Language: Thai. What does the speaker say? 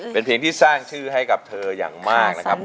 เป็นเพลงที่สร้างชื่อให้กับเธออย่างมากนะครับ